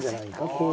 こう。